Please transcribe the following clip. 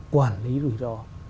quản lý rủi ro